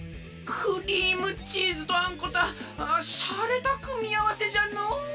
クリームチーズとあんこたああしゃれたくみあわせじゃの。